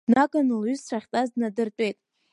Днаган лҩызцәа ахьтәаз днадыртәеит.